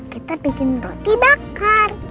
kita bikin roti bakar